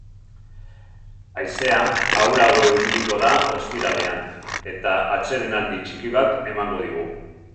Haizea ahulago ibiliko da ostiralean, eta atsedenaldi txiki bat emango digu.